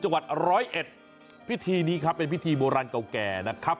จังหวัดร้อยเอ็ดพิธีนี้ครับเป็นพิธีโบราณเก่าแก่นะครับ